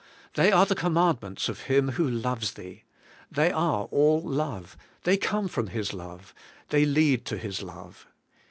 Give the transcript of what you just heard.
They are the commandments of Him who loves thee. They are all love, they come from His love, they lead to His love.